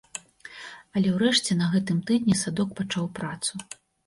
Але ўрэшце на гэтым тыдні садок пачаў працу.